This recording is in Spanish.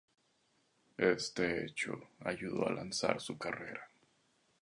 Este hecho ayudó a lanzar su carrera.